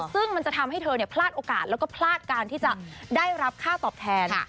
ซึ่งมันจะทำให้เธอพลาดโอกาสแล้วก็พลาดการที่จะได้รับค่าตอบแทน